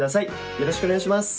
よろしくお願いします。